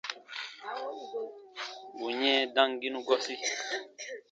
Bù yɛ̃ɛ damginu gɔsi.